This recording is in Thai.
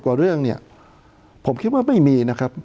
กว่าเรื่องเนี่ยผมคิดว่าไม่มีนะครับ